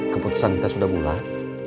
keputusan kita sudah bulan